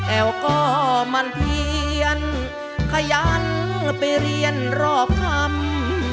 แอวก็มันเพียนขยันไปเรียนรอบคำ